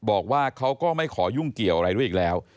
บอกว่าเขาก็ไม่ขอยุ่งเกี่ยวอะไรด้วยอีกแล้ว